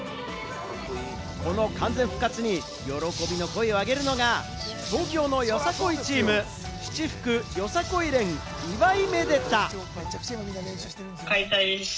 この完全復活に喜びの声を上げるのが、東京のよさこいチーム、七福よさこい連・祝禧。